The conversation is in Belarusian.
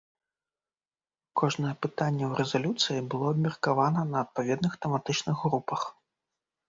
Кожнае пытанне ў рэзалюцыі было абмеркавана на адпаведных тэматычных групах.